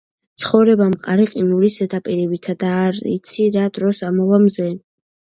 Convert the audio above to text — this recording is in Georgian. ცხოვრება მყარი ყინულის ზედაპირივითაა და არ იცი, რა დროს ამოვა მზე.